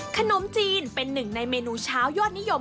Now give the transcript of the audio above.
ขนมจีนเป็นหนึ่งในเมนูเช้ายอดนิยม